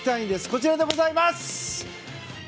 こちらでございます！